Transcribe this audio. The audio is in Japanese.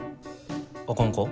あかんか？